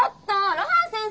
露伴先生